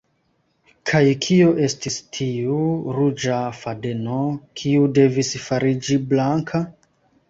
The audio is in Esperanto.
Kaj kio estis tiu “ruĝa fadeno” kiu devis fariĝi blanka?